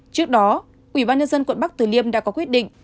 trước đó ủy ban nhân dân quận bắc tử liêm đã có quyết định